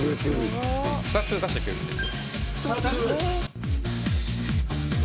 ２つ出してくれるんです。